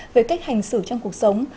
với cách hành xử trong cuộc sống